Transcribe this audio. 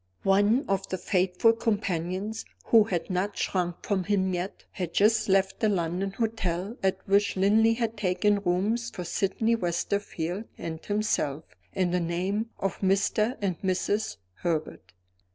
One of the faithful companions, who had not shrunk from him yet, had just left the London hotel at which Linley had taken rooms for Sydney Westerfield and himself in the name of Mr. and Mrs. Herbert.